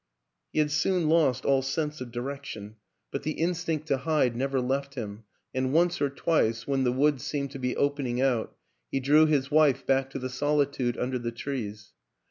He had soon lost all sense of direction; but the WILLIAM AN ENGLISHMAN 153 instinct to hide never left him, and once or twice, when the wood seemed to be opening out, he drew his wife back to the solitude under the trees.